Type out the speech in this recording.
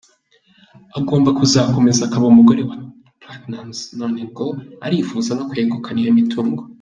Agomba kuzakomeza akaba umugore wa Platnumz, none ngo arifuza no kwegukana iyo mitungo.